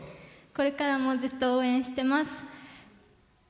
これからもずっと応援してます。